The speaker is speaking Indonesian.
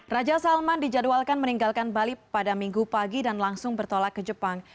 raja salman dijadwalkan meninggalkan bali pada minggu pagi dan langsung bertolak ke jepang